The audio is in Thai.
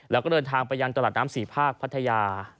แล้วก็เดินทางไปยังตลาดน้ำสี่ภาคพัทยา